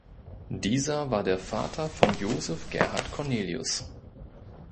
Dieser war der Vater von Josef Gerhard Cornelius.